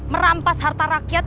merampas harta rakyat